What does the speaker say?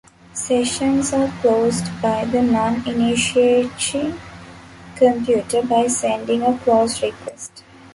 Sessions are closed by the non-initiating computer by sending a close request.